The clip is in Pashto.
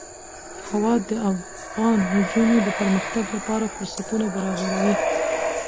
هوا د افغان نجونو د پرمختګ لپاره فرصتونه برابروي.